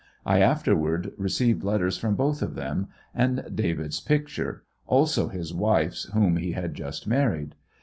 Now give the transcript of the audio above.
I afterward received letters from both of them, and David's picture ; also his wife's whom he had just married.